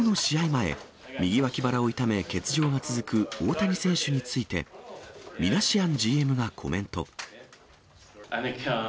前、右脇腹を痛め、欠場が続く大谷選手について、ミナシアンＧＭがコメント。